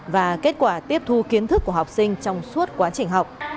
và kết quả tiếp thu kiến thức của học sinh trong suốt quá trình học